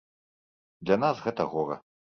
Для нас гэта гора.